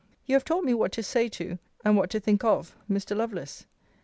You have taught me what to say to, and what to think of, Mr. Lovelace.